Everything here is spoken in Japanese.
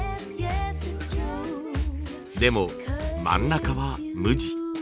でも真ん中は無地。